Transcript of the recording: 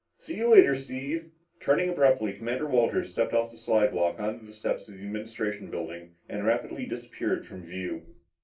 See you later, Steve." Turning abruptly, Commander Walters stepped off the slidewalk onto the steps of the Administration Building and rapidly disappeared from view.